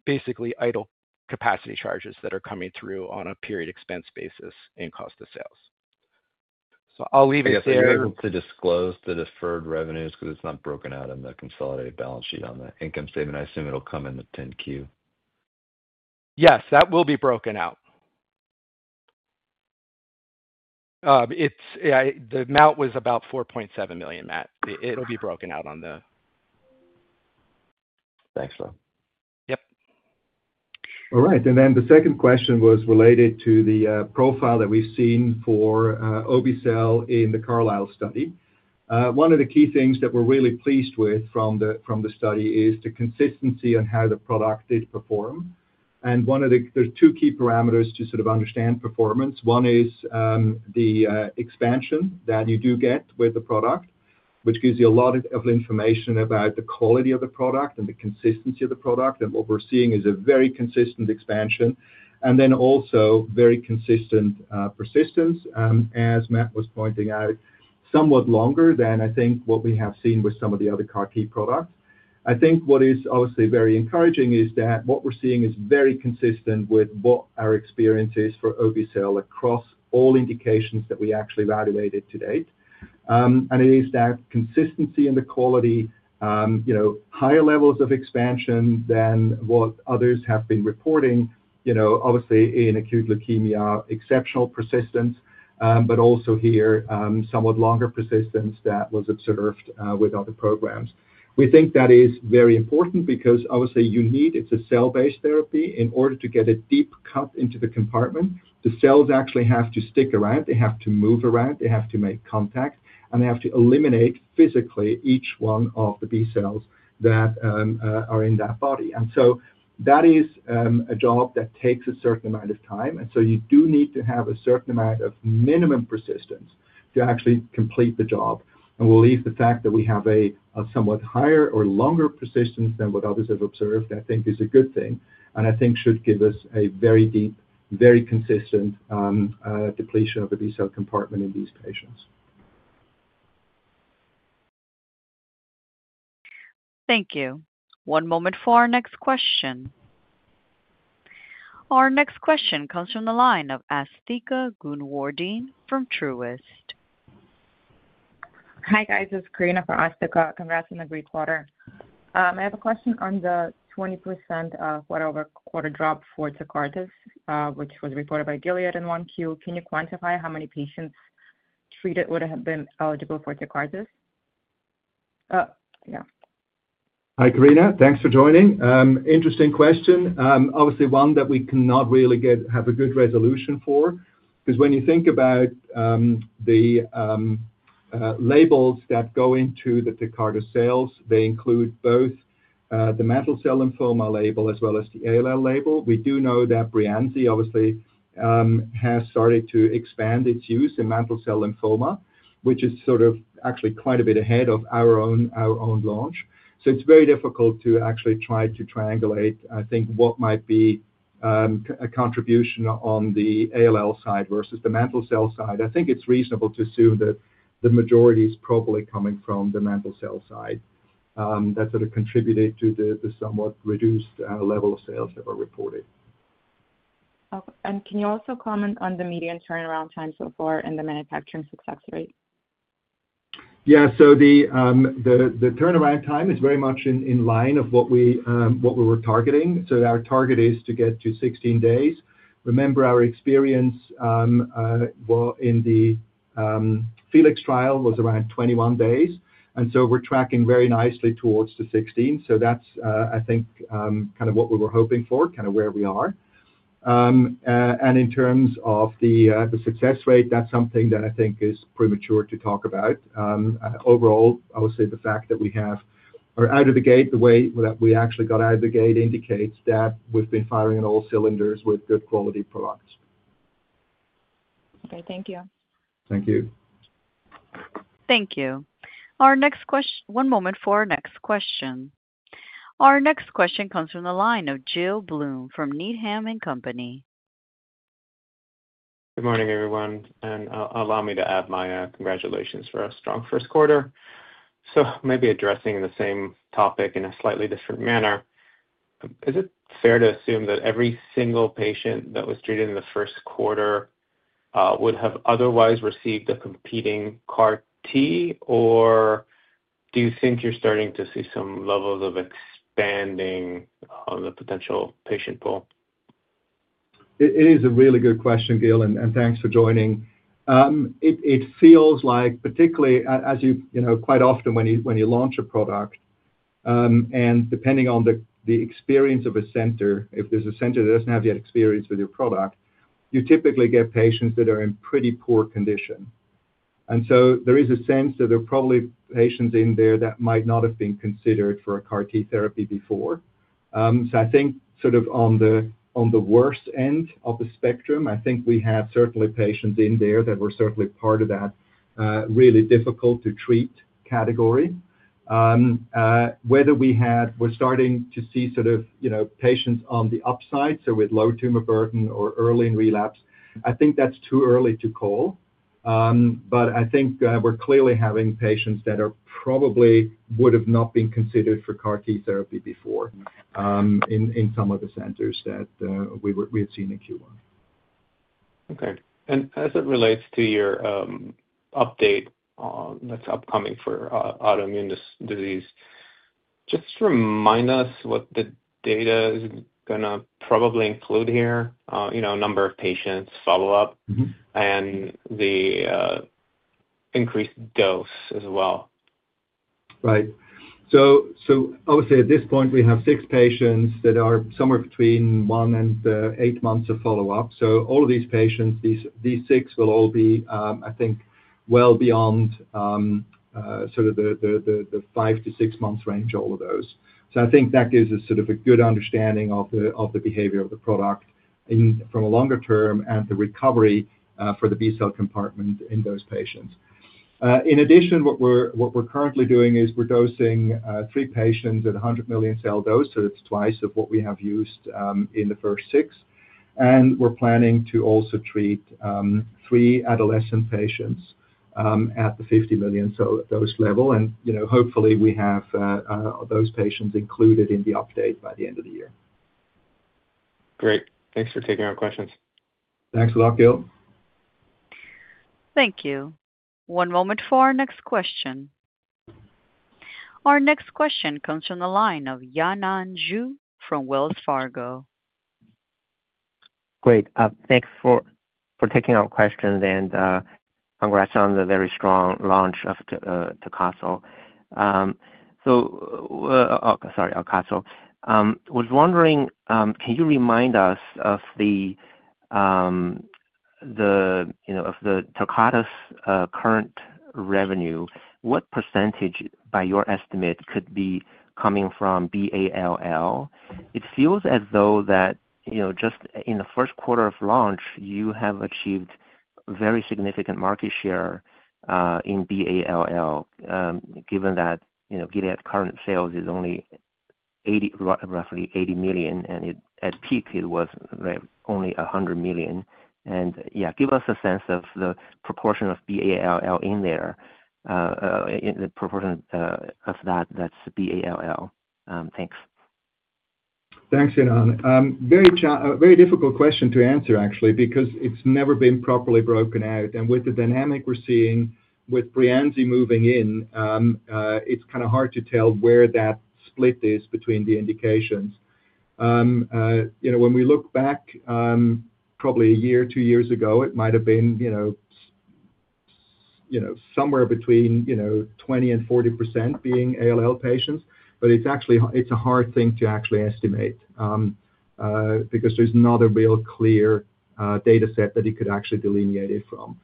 basically idle capacity charges that are coming through on a period expense basis and cost of sales. I'll leave it there. I guess we're able to disclose the deferred revenues because it's not broken out in the consolidated balance sheet on the income statement. I assume it'll come in the 10Q. Yes, that will be broken out. The amount was about $4.7 million, Matt. It'll be broken out on the. Thanks, Rob. Yep. All right. The second question was related to the profile that we've seen for Obe-cel in the CARLYSLE study. One of the key things that we're really pleased with from the study is the consistency on how the product did perform. There are two key parameters to sort of understand performance. One is the expansion that you do get with the product, which gives you a lot of information about the quality of the product and the consistency of the product. What we're seeing is a very consistent expansion and then also very consistent persistence, as Matt was pointing out, somewhat longer than I think what we have seen with some of the other CAR-T products. I think what is obviously very encouraging is that what we're seeing is very consistent with what our experience is for Obe-cel across all indications that we actually evaluated to date. It is that consistency in the quality, higher levels of expansion than what others have been reporting, obviously in acute leukemia, exceptional persistence, but also here somewhat longer persistence that was observed with other programs. We think that is very important because obviously you need, it is a cell-based therapy in order to get a deep cut into the compartment. The cells actually have to stick around. They have to move around. They have to make contact. They have to eliminate physically each one of the B cells that are in that body. That is a job that takes a certain amount of time. You do need to have a certain amount of minimum persistence to actually complete the job. We believe the fact that we have a somewhat higher or longer persistence than what others have observed, I think is a good thing. I think should give us a very deep, very consistent depletion of the B-cell compartment in these patients. Thank you. One moment for our next question. Our next question comes from the line of Asthika Sarith Goonewardene from Truist. Hi guys. It's Karina from Asthika. Congrats on the great quarter. I have a question on the 20% quarter-over-quarter drop for Tecartus, which was reported by Gilead in 1Q. Can you quantify how many patients treated would have been eligible for Tecartus? Yeah. Hi, Karina. Thanks for joining. Interesting question. Obviously, one that we cannot really have a good resolution for because when you think about the labels that go into the Tecartus sales, they include both the mantle cell lymphoma label as well as the ALL label. We do know that Breyanzi, obviously, has started to expand its use in mantle cell lymphoma, which is sort of actually quite a bit ahead of our own launch. It is very difficult to actually try to triangulate, I think, what might be a contribution on the ALL side versus the mantle cell side. I think it is reasonable to assume that the majority is probably coming from the mantle cell side that sort of contributed to the somewhat reduced level of sales that were reported. Can you also comment on the median turnaround time so far and the manufacturing success rate? Yeah. The turnaround time is very much in line with what we were targeting. Our target is to get to 16 days. Remember, our experience in the FELIX trial was around 21 days. We are tracking very nicely towards the 16. That is, I think, kind of what we were hoping for, kind of where we are. In terms of the success rate, that is something that I think is premature to talk about. Overall, I would say the fact that we have out of the gate, the way that we actually got out of the gate indicates that we have been firing on all cylinders with good quality products. Okay. Thank you. Thank you. Thank you. One moment for our next question. Our next question comes from the line of Gil Blum from Needham & Company. Good morning, everyone. Allow me to add my congratulations for a strong first quarter. Maybe addressing the same topic in a slightly different manner, is it fair to assume that every single patient that was treated in the first quarter would have otherwise received a competing CAR-T, or do you think you're starting to see some levels of expanding on the potential patient pool? It is a really good question, Gil, and thanks for joining. It feels like, particularly as you quite often when you launch a product, and depending on the experience of a center, if there is a center that does not have yet experience with your product, you typically get patients that are in pretty poor condition. There is a sense that there are probably patients in there that might not have been considered for a CAR-T therapy before. I think sort of on the worst end of the spectrum, we have certainly patients in there that were certainly part of that really difficult to treat category. Whether we are starting to see sort of patients on the upside, with low tumor burden or early in relapse, I think that is too early to call. I think we're clearly having patients that probably would have not been considered for CAR-T therapy before in some of the centers that we had seen in Q1. Okay. As it relates to your update that's upcoming for autoimmune disease, just remind us what the data is going to probably include here, number of patients, follow-up, and the increased dose as well. Right. Obviously, at this point, we have six patients that are somewhere between one and eight months of follow-up. All of these patients, these six, will all be, I think, well beyond the five- to six-month range, all of those. I think that gives us a good understanding of the behavior of the product from a longer term and the recovery for the B-cell compartment in those patients. In addition, what we're currently doing is we're dosing three patients at a 100 million cell dose, so that's twice what we have used in the first six. We're planning to also treat three adolescent patients at the 50 million cell dose level. Hopefully, we have those patients included in the update by the end of the year. Great. Thanks for taking our questions. Thanks a lot, Gil. Thank you. One moment for our next question. Our next question comes from the line of Yanan Zhu from Wells Fargo. Great. Thanks for taking our question and congrats on the very strong launch of Tecartus. Sorry, AUCATZYL. I was wondering, can you remind us of the Tecartus current revenue? What percentage, by your estimate, could be coming from B-cell ALL? It feels as though that just in the first quarter of launch, you have achieved very significant market share in B-cell ALL, given that Gilead's current sales is only roughly $80 million, and at peak, it was only $100 million. Yeah, give us a sense of the proportion of B-cell ALL in there, the proportion of that that's B-cell ALL. Thanks. Thanks, Yanan. Very difficult question to answer, actually, because it's never been properly broken out. With the dynamic we're seeing with Breyanzi moving in, it's kind of hard to tell where that split is between the indications. When we look back, probably a year, two years ago, it might have been somewhere between 20%-40% being ALL patients. It's a hard thing to actually estimate because there's not a real clear dataset that you could actually delineate it from.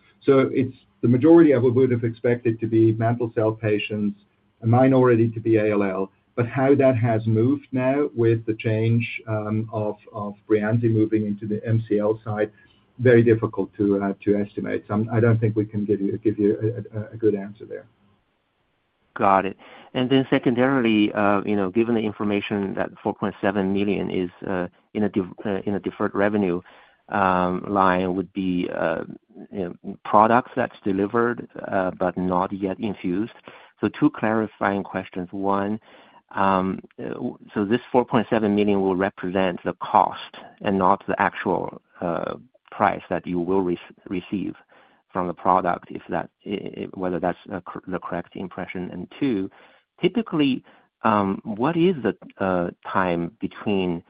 The majority of what we would have expected to be mantle cell patients, a minority to be ALL, but how that has moved now with the change of Breyanzi moving into the MCL side, very difficult to estimate. I don't think we can give you a good answer there. Got it. And then secondarily, given the information that $4.7 million is in a deferred revenue line, would be products that's delivered but not yet infused. Two clarifying questions. One, this $4.7 million will represent the cost and not the actual price that you will receive from the product, whether that's the correct impression. Two, typically, what is the time between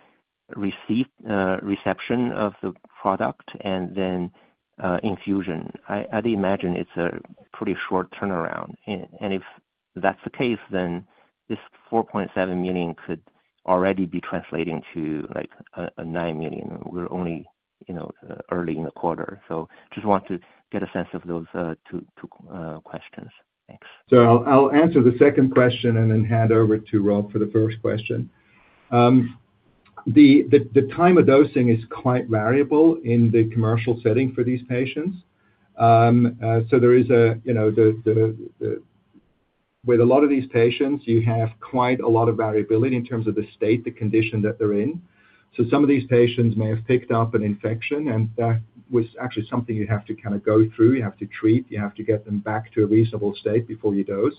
reception of the product and then infusion? I imagine it's a pretty short turnaround. If that's the case, then this $4.7 million could already be translating to like $9 million. We're only early in the quarter. Just want to get a sense of those two questions. Thanks. I'll answer the second question and then hand over to Rob for the first question. The time of dosing is quite variable in the commercial setting for these patients. There is, with a lot of these patients, quite a lot of variability in terms of the state, the condition that they're in. Some of these patients may have picked up an infection, and that was actually something you have to kind of go through. You have to treat. You have to get them back to a reasonable state before you dose.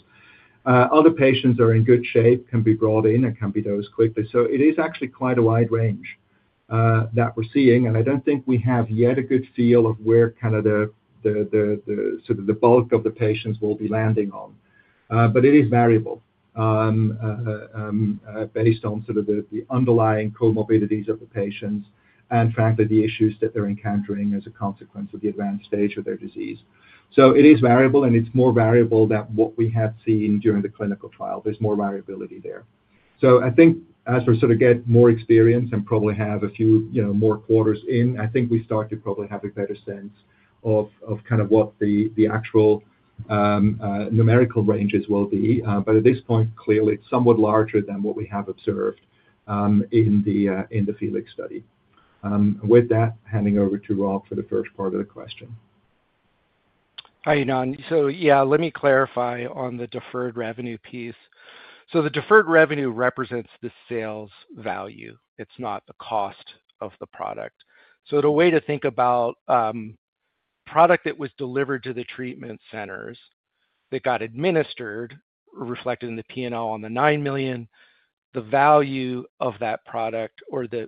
Other patients are in good shape, can be brought in, and can be dosed quickly. It is actually quite a wide range that we're seeing. I don't think we have yet a good feel of where kind of the sort of the bulk of the patients will be landing on. It is variable based on sort of the underlying comorbidities of the patients and, frankly, the issues that they're encountering as a consequence of the advanced stage of their disease. It is variable, and it's more variable than what we have seen during the clinical trial. There is more variability there. I think as we sort of get more experience and probably have a few more quarters in, I think we start to probably have a better sense of kind of what the actual numerical ranges will be. At this point, clearly, it's somewhat larger than what we have observed in the FELIX study. With that, handing over to Rob for the first part of the question. Hi, Yanan. Yeah, let me clarify on the deferred revenue piece. The deferred revenue represents the sales value. It's not the cost of the product. The way to think about product that was delivered to the treatment centers that got administered, reflected in the P&L on the $9 million, the value of that product or the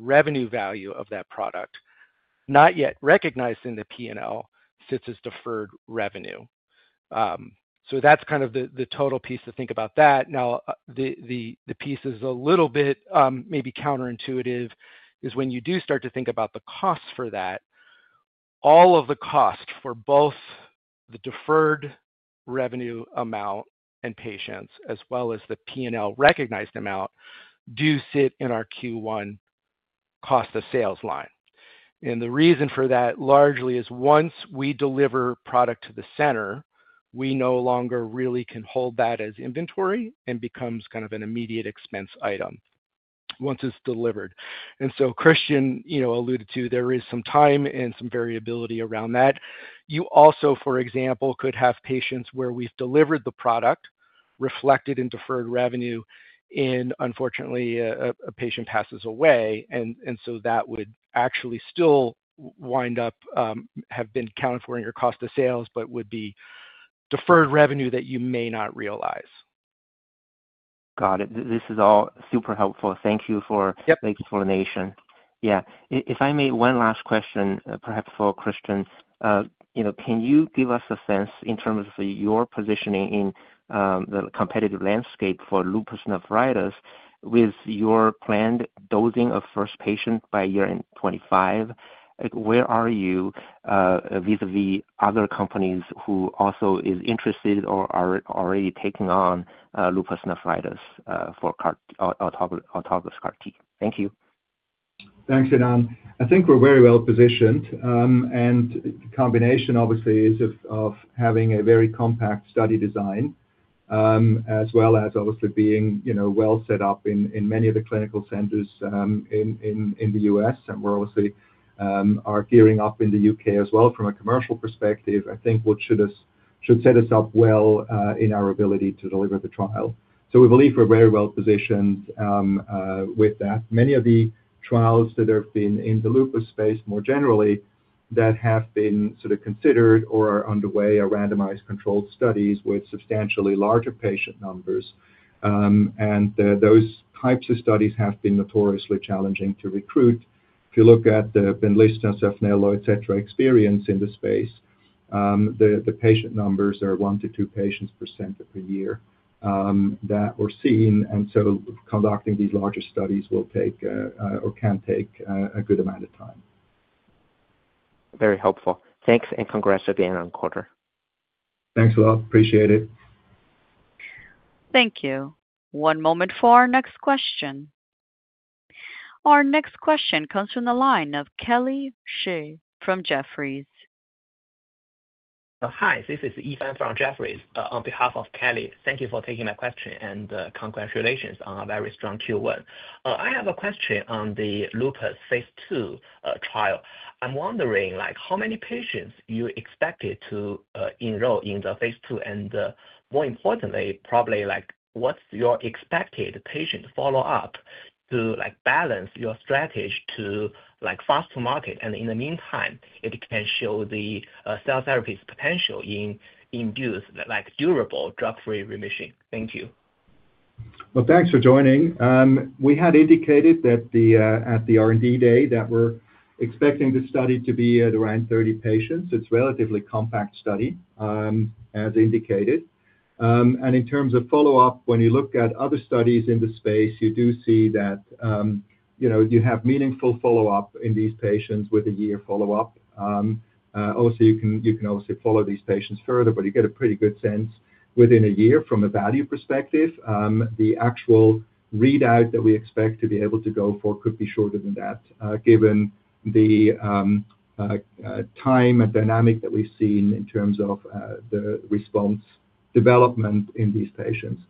revenue value of that product, not yet recognized in the P&L, sits as deferred revenue. That's kind of the total piece to think about that. Now, the piece that's a little bit maybe counterintuitive is when you do start to think about the cost for that, all of the cost for both the deferred revenue amount and patients, as well as the P&L recognized amount, do sit in our Q1 cost of sales line. The reason for that largely is once we deliver product to the center, we no longer really can hold that as inventory and it becomes kind of an immediate expense item once it is delivered. As Christian alluded to, there is some time and some variability around that. You also, for example, could have patients where we have delivered the product reflected in deferred revenue and, unfortunately, a patient passes away. That would actually still wind up having been accounted for in your cost of sales, but would be deferred revenue that you may not realize. Got it. This is all super helpful. Thank you for the explanation. Yeah. If I may, one last question, perhaps for Christian. Can you give us a sense in terms of your positioning in the competitive landscape for lupus nephritis with your planned dosing of first patient by year 2025? Where are you vis-à-vis other companies who also are interested or are already taking on lupus nephritis for AUCATZYL CAR-T? Thank you. Thanks, Yanan. I think we're very well positioned. The combination, obviously, is of having a very compact study design, as well as obviously being well set up in many of the clinical centers in the U.S. We're obviously gearing up in the U.K. as well from a commercial perspective. I think what should set us up well is our ability to deliver the trial. We believe we're very well positioned with that. Many of the trials that have been in the lupus space more generally that have been sort of considered or are underway are randomized controlled studies with substantially larger patient numbers. Those types of studies have been notoriously challenging to recruit. If you look at the Benlysta, Cefnello, etc., experience in the space, the patient numbers are one to two patients per center per year that we're seeing. Conducting these larger studies will take or can take a good amount of time. Very helpful. Thanks and congrats again on quarter. Thanks a lot. Appreciate it. Thank you. One moment for our next question. Our next question comes from the line of Kelly Shi from Jefferies. Hi. This is Evan from Jefferies on behalf of Kelly. Thank you for taking my question and congratulations on a very strong Q1. I have a question on the lupus phase II trial. I'm wondering how many patients you expected to enroll in the phase II? More importantly, probably what's your expected patient follow-up to balance your strategy to fast to market? In the meantime, it can show the cell therapies potential in induced durable drug-free remission. Thank you. Thanks for joining. We had indicated that at the R&D day that we're expecting the study to be at around 30 patients. It's a relatively compact study, as indicated. In terms of follow-up, when you look at other studies in the space, you do see that you have meaningful follow-up in these patients with a year follow-up. Obviously, you can obviously follow these patients further, but you get a pretty good sense within a year from a value perspective. The actual readout that we expect to be able to go for could be shorter than that, given the time and dynamic that we've seen in terms of the response development in these patients.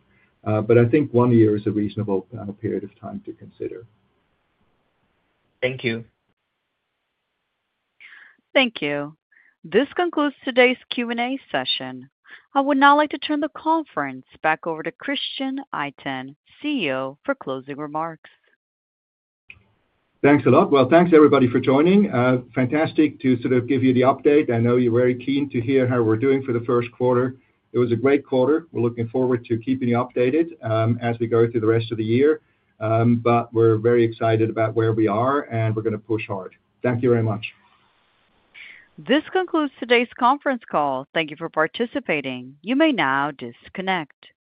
I think one year is a reasonable period of time to consider. Thank you. Thank you. This concludes today's Q&A session. I would now like to turn the conference back over to Christian Itin, CEO, for closing remarks. Thanks a lot. Thanks, everybody, for joining. Fantastic to sort of give you the update. I know you're very keen to hear how we're doing for the first quarter. It was a great quarter. We're looking forward to keeping you updated as we go through the rest of the year. We're very excited about where we are, and we're going to push hard. Thank you very much. This concludes today's conference call. Thank you for participating. You may now disconnect.